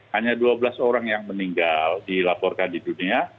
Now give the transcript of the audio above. hanya dua belas orang yang meninggal dilaporkan di dunia